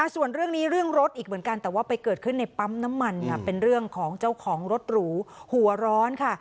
ส่วนเรื่องนี้เรื่องรถอีกเหมือนกันแต่ว่าไปเกิดขึ้นในปั๊มน้ำมันค่ะเป็นเรื่องของเจ้าของรถหรูหัวร้อนค่ะ